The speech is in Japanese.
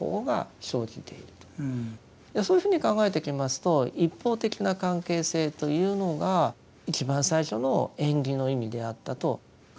そういうふうに考えてきますと一方的な関係性というのが一番最初の「縁起」の意味であったと考えられます。